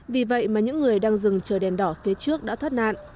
vì vậy mà những người đang dừng chờ đèn đỏ phía trước đã thoát nạn